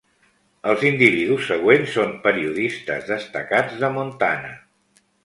Els individus següents són periodistes destacats de Montana.